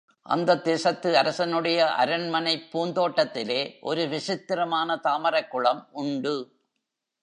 அந்தத் தேசத்து அரசனுடைய அரண்மனைப் பூந்தோட்டத்திலே ஒரு விசித்திரமான தாமரைக் குளம் உண்டு.